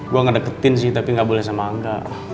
gua ga deketin sih tapi ga boleh sama angga